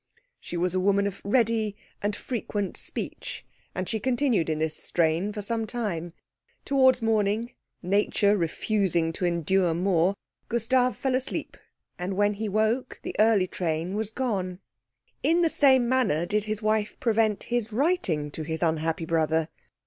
She was a woman of ready and frequent speech, and she continued in this strain for some time. Towards morning, nature refusing to endure more, Gustav fell asleep; and when he woke the early train was gone. In the same manner did his wife prevent his writing to his unhappy brother.